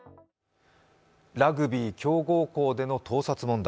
ラグビー強豪校での盗撮問題。